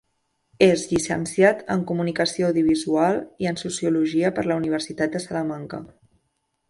És llicenciat en Comunicació Audiovisual, i en Sociologia per la Universitat de Salamanca.